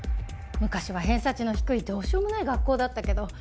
昔は偏差値の低いどうしようもない学校だったけど。